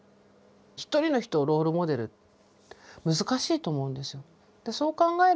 一人の人をロールモデル難しいと思うんですよ。